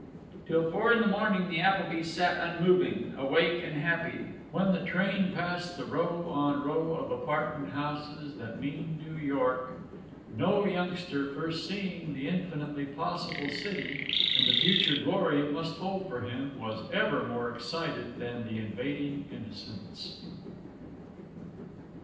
Till four in the morning the Applebys sat unmoving, awake and happy. When the train passed the row on row of apartment houses that mean New York no youngster first seeing the infinitely possible city, and the future glory it must hold for him, was ever more excited than the invading Innocents.